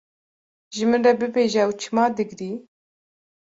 Ji min re bibêje ew çima digirî?